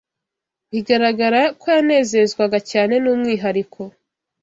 Bigaragara ko yanezezwaga cyane n’umwihariko